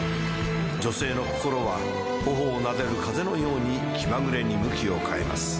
女性の心はほほをなでる風のように気まぐれに向きを変えます。